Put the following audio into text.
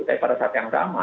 tapi pada saat yang sama